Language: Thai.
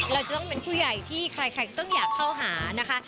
เราจะต้องเป็นผู้ใหญ่ที่ใครก็ต้องอยากเข้าหานะคะ